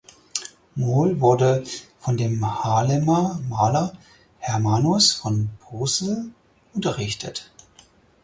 Mol wurde von dem Haarlemer Maler Hermanus van Brussel unterrichtet.